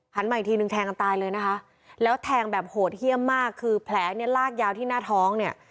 มาอีกทีนึงแทงกันตายเลยนะคะแล้วแทงแบบโหดเยี่ยมมากคือแผลเนี่ยลากยาวที่หน้าท้องเนี่ย